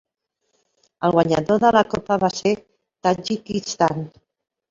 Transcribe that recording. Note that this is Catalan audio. El guanyador de la copa va ser Tadjikistan.